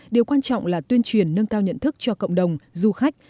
điều quan trọng là tuyên truyền nâng cao nhận thức cho cộng đồng du khách